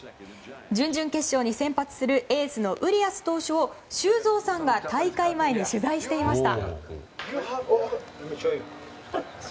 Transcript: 準々決勝に先発するエースのウリアス投手を修造さんが大会前に取材していました。